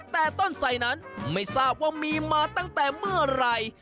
แต่ต้นใส่นั้นไม่ทราบว่ามีมาตั้งแต่เมื่อไหร่